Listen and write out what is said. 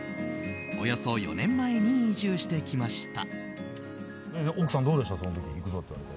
およそ４年前に移住してきました。